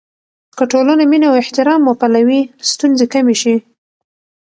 که ټولنه مینه او احترام وپلوي، ستونزې کمې شي.